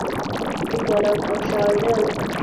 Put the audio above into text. لیکولان او شاعران